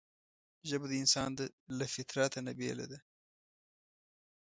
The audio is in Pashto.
ژبه د انسان له فطرته نه بېله ده